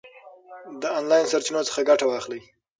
د آنلاین سرچینو څخه ګټه واخلئ.